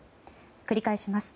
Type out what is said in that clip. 繰り返します。